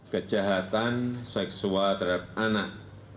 kejahatan seksual terhadap anak